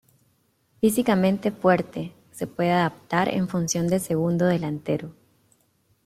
Físicamente fuerte, se puede adaptar en función de segundo delantero.